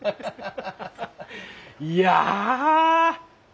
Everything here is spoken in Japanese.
いや！